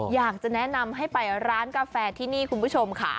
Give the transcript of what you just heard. อยากจะแนะนำให้ไปร้านกาแฟที่นี่คุณผู้ชมค่ะ